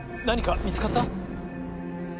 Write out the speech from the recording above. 何か見つかった？